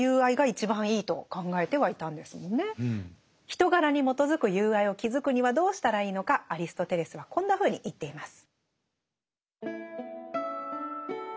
人柄に基づく友愛を築くにはどうしたらいいのかアリストテレスはこんなふうに言っています。